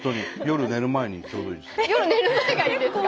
夜寝る前にちょうどいいです。